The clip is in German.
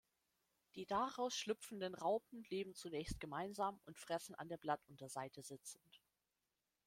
Die daraus schlüpfenden Raupen leben zunächst gemeinsam und fressen an der Blattunterseite sitzend.